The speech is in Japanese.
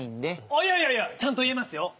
いやいやいやちゃんといえますよ。